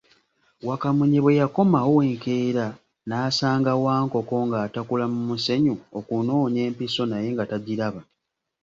Wakamunye bwe yakomawo enkeera, n'asanga Wankoko ng'atakula mu musenyu okunoonya empiso naye nga tagiraba.